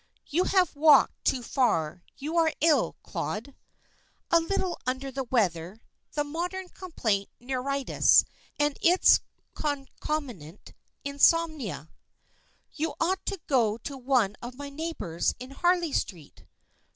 "You have walked too far. You are ill, Claude." "A little under the weather. The modern complaint, neuritis, and its concomitant, insomnia." "You ought to go to one of my neighbours in Harley Street."